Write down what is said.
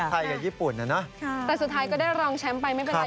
กับญี่ปุ่นนะนะแต่สุดท้ายก็ได้รองแชมป์ไปไม่เป็นไร